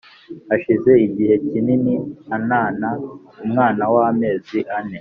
Hashize igihe kini antana umwa wamezi ane